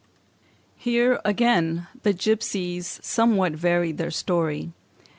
] Here, again, the gipsies somewhat varied their story.